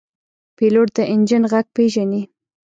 پیلوټ د انجن غږ پېژني.